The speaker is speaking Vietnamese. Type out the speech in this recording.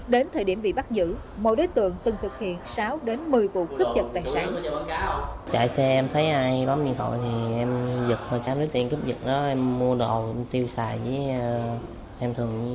đến thời điểm bị bắt giữ mỗi đối tượng từng thực hiện sáu đến một mươi vụ cướp giật tài sản